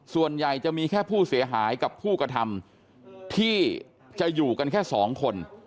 ส่วนใหญ่จะมีแค่ผู้เสียหายกับผู้กระทำที่จะอยู่กันแค่สองคน